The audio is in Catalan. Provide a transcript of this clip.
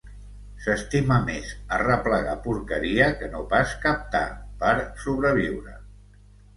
S'estima més arreplegar porqueria que no pas captar, per sobreviure.